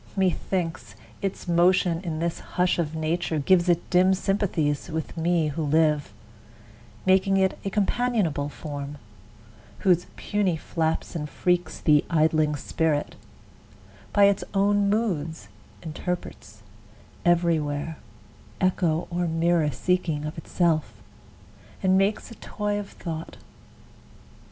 Methinks, its motion in this hush of nature Gives it dim sympathies with me who live, Making it a companionable form, Whose puny flaps and freaks the idling Spirit By its own moods interprets, every where Echo or mirror seeking of itself, And makes a toy of Thought.